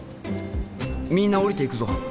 みんな降りていくぞ！